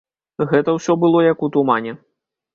Гэта ўсё было як у тумане.